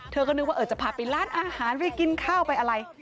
เธอก็นึกว่าจะพาไปร้านอาหารไปกินข้าวไปอะไร